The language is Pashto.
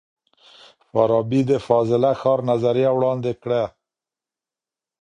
فارابي د فاضله ښار نظریه وړاندې کړه.